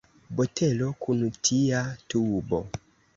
Botelo kun tia tubo.